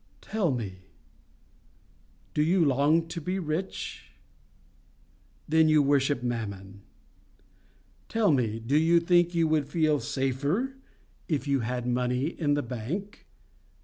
Tell me, do you long to be rich? Then you worship Mammon. Tell me, do you think you would feel safer if you had money in the bank?